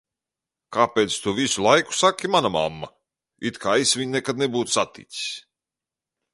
"Kāpēc tu visu laiku saki "mana mamma", it kā es viņu nekad nebūtu saticis?"